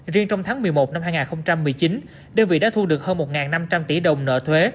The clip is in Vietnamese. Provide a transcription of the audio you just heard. riêng trong tháng một mươi một năm hai nghìn một mươi chín đơn vị đã thu được hơn một năm trăm linh tỷ đồng nợ thuế